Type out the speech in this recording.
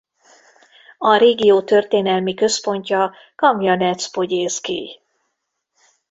A régió történelmi központja Kamjanec-Pogyilszkij.